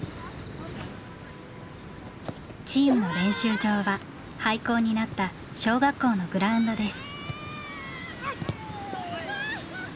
チームの練習場は廃校になった小学校のグラウンドです。